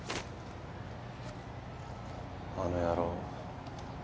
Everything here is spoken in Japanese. あの野郎。